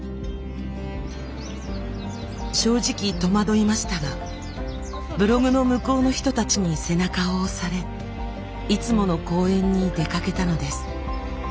正直戸惑いましたがブログの向こうの人たちに背中を押されいつもの公園に出かけたのです。